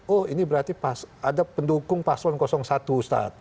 oh ini berarti ada pendukung paslon satu ustadz